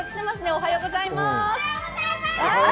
おはようございまーす！